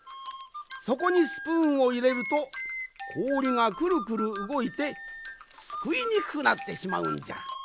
そこにスプーンをいれるとこおりがくるくるうごいてすくいにくくなってしまうんじゃ。